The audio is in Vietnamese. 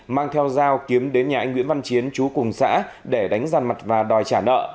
mang theo dao kiếm đến nhà anh nguyễn văn chiến chú cùng xã để đánh rằn mặt và đòi trả nợ